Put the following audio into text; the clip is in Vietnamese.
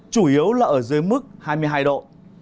chủ yếu là ở dưới mức hai mươi hai độ